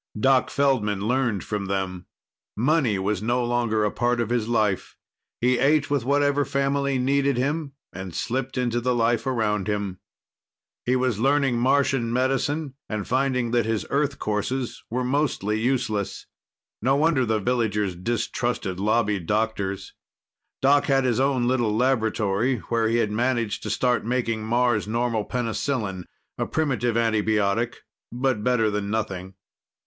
Doc Feldman learned from them. Money was no longer part of his life. He ate with whatever family needed him and slipped into the life around him. He was learning Martian medicine and finding that his Earth courses were mostly useless. No wonder the villagers distrusted Lobby doctors. Doc had his own little laboratory where he had managed to start making Mars normal penicillin a primitive antibiotic, but better than nothing.